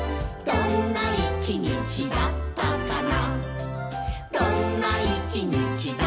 「どんな一日だったかな」